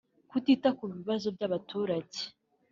kutita ku bibazo by’abaturage